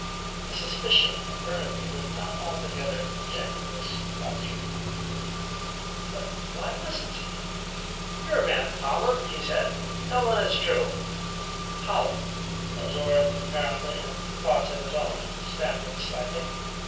A suspicion that Burnaby was not altogether ingenuous crossed her mind. But why wasn't he? "You're a man, Pollen," he said; "tell them it's true." Pollen, absorbed apparently in thoughts of his own stammered slightly.